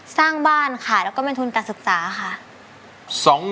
สร้างบ้านค่ะแล้วก็เป็นทุนการศึกษาค่ะ